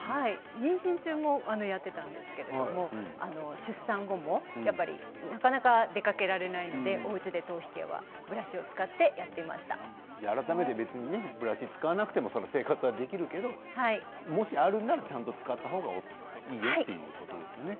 妊娠中もやっていたんですけれど出産後もなかなか出かけられないのでおうちで頭皮ケアはブラシを使わなくても生活はできるけどもし、あるならちゃんと使った方がいいよ